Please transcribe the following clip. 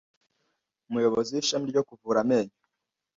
umuyobozi w'ishami ryo kuvura amenyo